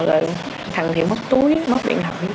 rồi thằng thì mất túi mất điện thoại